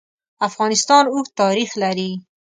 افغانستان اوږد تاریخ لري.